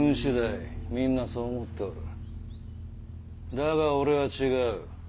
だが俺は違う。